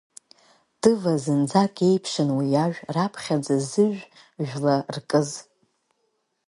Тыва зынӡак еиԥшын уи ажә, раԥхьаӡа зыжә жәла ркыз.